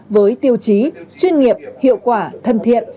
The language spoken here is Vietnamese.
với tiêu chí chuyên nghiệp hiệu quả thân thiện